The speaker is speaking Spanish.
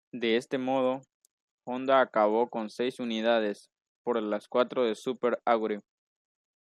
De este modo, Honda acabó con seis unidades, por las cuatro de Super Aguri.